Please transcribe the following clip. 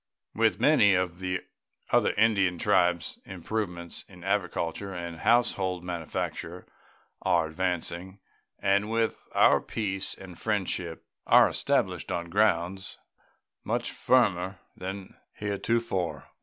With many of the other Indian tribes improvements in agriculture and household manufacture are advancing, and with all our peace and friendship are established on grounds much firmer than heretofore.